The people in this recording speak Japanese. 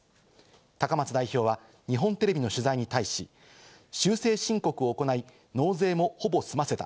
高松代表は日本テレビの取材に対し、修正申告を行い、納税もほぼ済ませた。